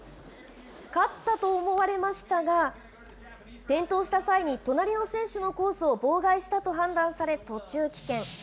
勝ったと思われましたが、転倒した際に隣の選手のコースを妨害したと判断され、途中棄権。